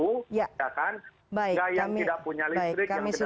tidak yang tidak punya listrik